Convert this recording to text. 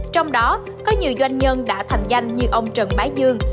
trong đó có nhiều doanh nhân đã thành danh như ông trần bá dương